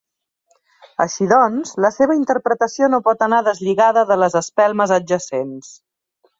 Així doncs, la seva interpretació no pot anar deslligada de les espelmes adjacents.